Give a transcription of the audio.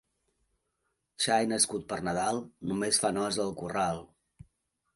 Xai nascut per Nadal només fa nosa al corral.